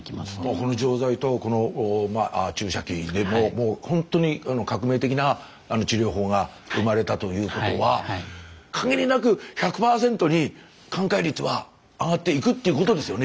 この錠剤とこの注射器でもうほんとに革命的な治療法が生まれたということは限りなく１００％に寛解率は上がっていくっていうことですよね